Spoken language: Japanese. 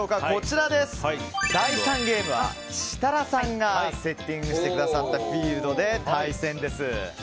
第３ゲームは設楽さんがセッティングしてくださったフィールドで対戦です。